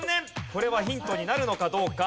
これはヒントになるのかどうか。